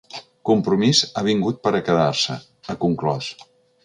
“Compromís ha vingut per a quedar-se”, ha conclòs.